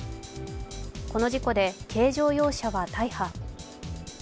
この事故で軽乗用車は大破。